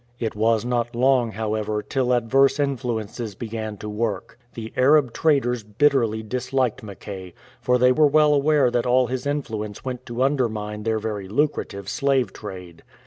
It was not long, however, till adverse influences began to work. The Arab traders bitterly disliked Mackay, for they were well aware that all his influence went to under mine their very lucrative slave trade.